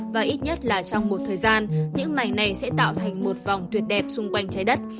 và ít nhất là trong một thời gian những mày này sẽ tạo thành một vòng tuyệt đẹp xung quanh trái đất